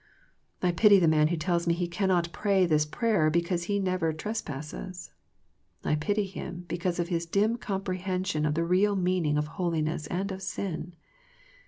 I pity the man who tells me he cannot pray this prayer because he never trespasses. I pity him because of his dim comprehension of the real meaning of holiness and of sin.